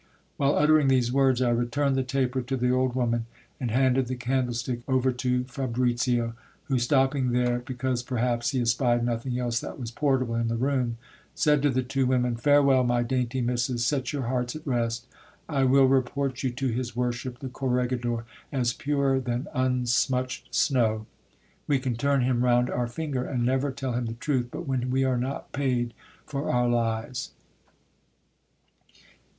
While uttering these words, I returned the taper to the old woman, and handed the candlestick over to Fabricio, who, stopping there because perhaps he espied nothing else that was portable in the room, said to the two women : Farewell, my dainty misses, set your hearts at rest, I will report you to his worship the corregidor, as purer than unsmutched snow. We can turn him round our finger ; and never tell him the truth, but when we are not paid for our lies.